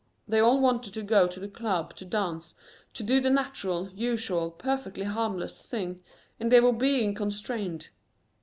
They all wanted to go to the Club to dance, to do the natural, usual, perfectly harmless thing, and they were being constrained.